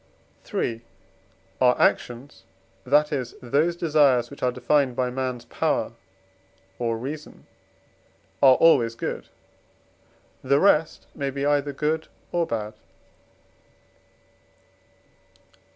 III. Our actions, that is, those desires which are defined by man's power or reason, are always good. The rest may be either good or bad.